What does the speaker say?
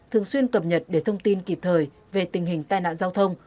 thường xuyên cập nhật để thông tin kịp thời về tình hình tai nạn giao thông